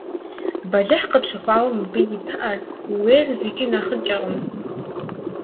Бэлыхь къыпщыхъуаи мыбы и пыӀэр – ууейр зыкӀи нэхъыкӀэкъым.